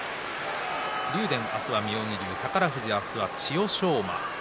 竜電、明日は妙義龍宝富士、明日は千代翔馬。